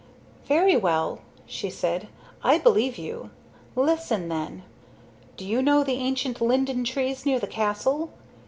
"Very well," she said, "I believe you. Listen, then. Do you know the ancient linden trees near the castle?